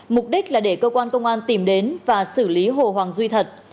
mục đích là để cơ quan công an tìm đến và xử lý hồ hoàng duy thật